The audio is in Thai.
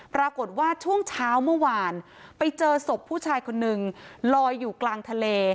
ปรากฏว่าช่วงเช้าเมื่อวานไปเจอศพผู้ชายคนนึงลอยอยู่กลางทะเล